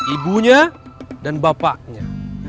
ibunya dan bapaknya